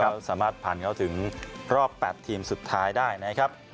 ก็สามารถผ่านเข้าถึงรอบ๘ทีมสุดท้ายได้นะครับ